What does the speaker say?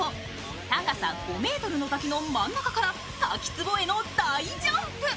高さ５ｍの滝の真ん中から滝つぼへ大ジャンプ。